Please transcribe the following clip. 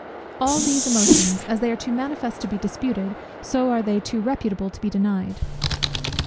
All these emotions, as they are too manifest to be disputed, so are they too reputable to be denied.